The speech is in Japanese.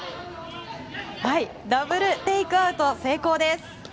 ダブルテイクアウト成功です。